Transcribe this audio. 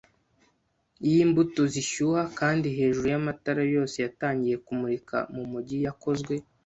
y'imbuto zishyuha, kandi hejuru yamatara yose yatangiye kumurika mumujyi yakozwe